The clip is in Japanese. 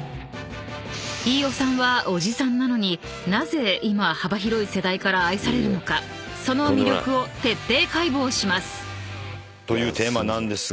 ［飯尾さんはおじさんなのになぜ今幅広い世代から愛されるのかその魅力を徹底解剖します］というテーマなんですが。